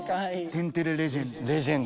天てれレジェンド。